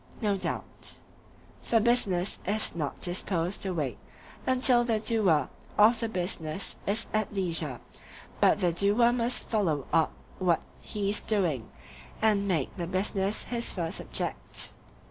No doubt. For business is not disposed to wait until the doer of the business is at leisure; but the doer must follow up what he is doing, and make the business his first object.